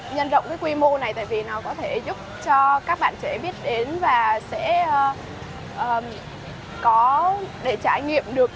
nhân rộng cái quy mô này tại vì nó có thể giúp cho các bạn trẻ biết đến và sẽ có để trải nghiệm được